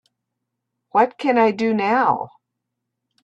what can I do now?